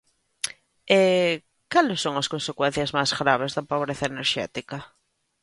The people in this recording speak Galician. E, ¿cales son as consecuencias máis graves da pobreza enerxética?